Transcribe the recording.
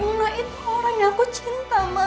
mungla itu orang yang aku cinta ma